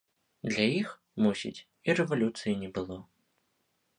Для іх, мусіць, і рэвалюцыі не было.